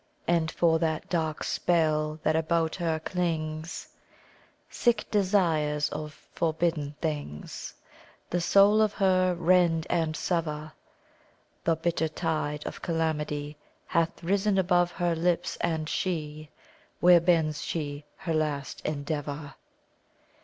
And for that dark spell that about her clings, Sick desires of forbidden things The soul of her rend and sever; The bitter tide of calamity Hath risen above her lips; and she, Where bends she her last endeavour?